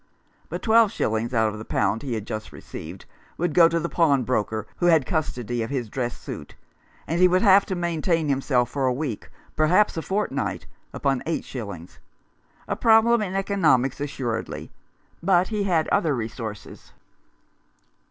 But twelve shillings out of the pound he had just received would go to the pawnbroker, who had custody of his dress suit, and he would have to maintain himself for a week — or perhaps a fortnight — upon eight shillings — a problem in economics, assuredly. But he had other resources.